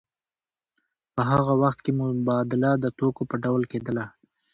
په هغه وخت کې مبادله د توکو په ډول کېدله